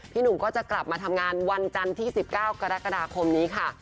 หนุ่มก็จะกลับมาทำงานวันจันทร์ที่๑๙กรกฎาคมนี้ค่ะ